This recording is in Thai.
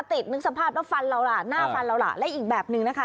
นึกสภาพแล้วฟันเราล่ะหน้าฟันเราล่ะและอีกแบบนึงนะคะ